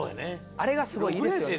あれがすごいいいですよね。